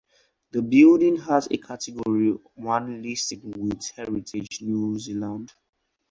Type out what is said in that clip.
The building has a Category One listing with Heritage New Zealand.